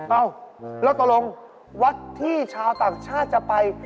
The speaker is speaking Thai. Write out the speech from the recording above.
เอ้าแล้วตกลงวัดที่ชาวต่างชาติจะไป